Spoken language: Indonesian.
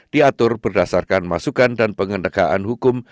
diatur berdasarkan masukan dan pengendakaan hukum